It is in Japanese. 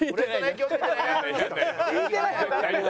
聞いてない！